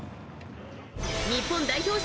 日本代表戦